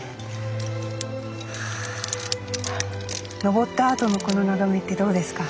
登ったあとのこの眺めってどうですか？